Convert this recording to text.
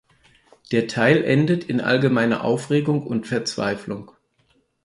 Der Teil endet in allgemeiner Aufregung und Verzweiflung.